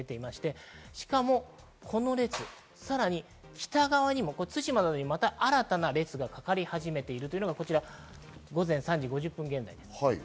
しかもこの列、さらに北側にも対馬などに、また新たな列がかかり始めているのが、午前３時５０分現在です。